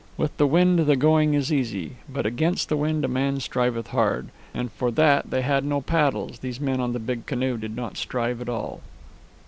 "With the wind the going is easy, but against the wind a man striveth hard; and for that they had no paddles these men on the big canoe did not strive at all."